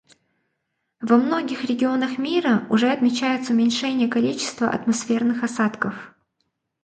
Во многих регионах мира уже отмечается уменьшение количества атмосферных осадков.